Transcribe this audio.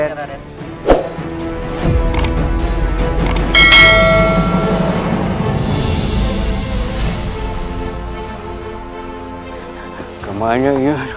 kau bisa kemana